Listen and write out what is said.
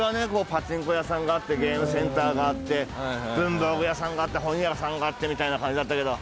パチンコ屋さんがあってゲームセンターがあって文房具屋さんがあって本屋さんがあってみたいな感じだったけど。